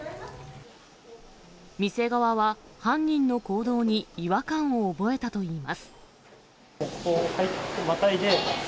店側は、犯人の行動に違和感を覚えたといいます。